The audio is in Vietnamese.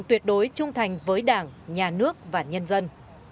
tuyệt đối trung thành với đảng nhà nước và nhân dân